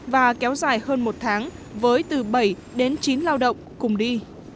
và kéo dài hơn một tháng với từ bảy đến chín lao động cùng đi